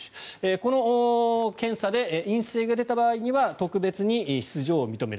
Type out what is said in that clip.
この検査で陰性が出た場合には特別に出場を認める。